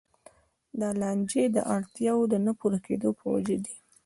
دا لانجې د اړتیاوو نه پوره کېدو په وجه دي.